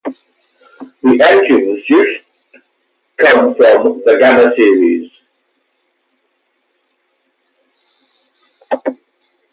The engines used come from the Gamma series.